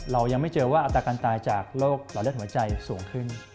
เรายังไม่เจอว่าอัตราการตายจากโรคหลอดเลือดหัวใจสูงขึ้น